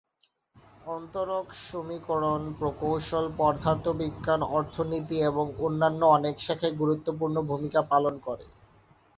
অন্তরক সমীকরণ প্রকৌশল, পদার্থবিজ্ঞান, অর্থনীতি এবং অন্যান্য অনেক শাখায় গুরুত্বপূর্ণ ভূমিকা পালন করে।